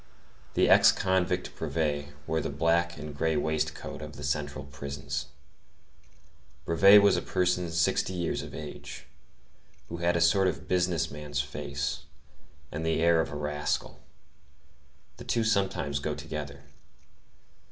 The ex convict Brevet wore the black and gray waistcoat of the central prisons. Brevet was a person sixty years of age, who had a sort of business man's face, and the air of a rascal. The two sometimes go together.